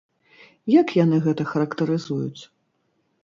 Як яны гэта характарызуюць?